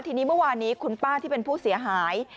ทีนี้เมื่อวานนี้คุณป้าที่เป็นผู้เสียหาย